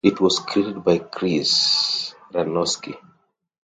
It was created by Chris Prynoski.